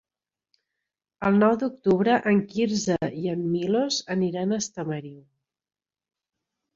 El nou d'octubre en Quirze i en Milos aniran a Estamariu.